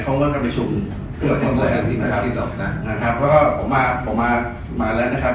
เขาก็กำลังกันไปชุมนะครับนะครับก็ผมมาผมมามาแล้วนะครับ